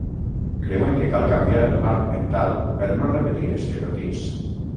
Creuen que cal canviar el marc mental per no repetir estereotips.